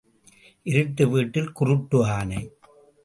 இருட்டு வீட்டில் குருட்டு ஆனை.